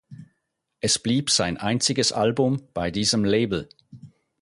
Es blieb sein einziges Album bei diesem Label.